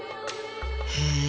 へえ。